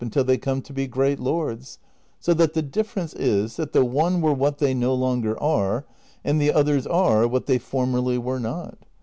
until they come to be great lords ; so that the difference is that the one were what they no longer are, and the others are what they formerly were not.